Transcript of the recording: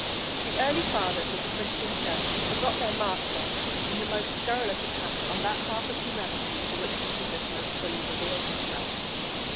The early fathers of the Christian Church forgot their Master in the most scurrilous attacks on that half of humanity to which Jesus most fully revealed Himself.